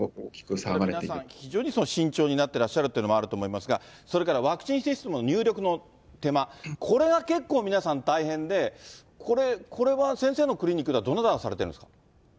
皆さん、非常に慎重になってらっしゃるとあると思うんですが、それからワクチンシステムの入力の手間、これが結構皆さん大変で、これは先生のクリニックではどのようにされてるんですか？